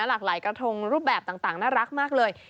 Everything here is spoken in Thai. หลากหลายกระทงรูปแบบต่างน่ารักมากเลย